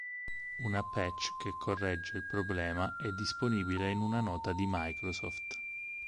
Una patch che corregge il problema è disponibile in una nota di Microsoft.